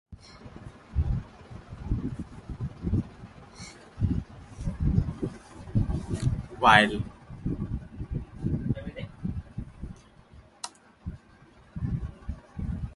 At the close of the campaign, Slatin received permission to go to Africa.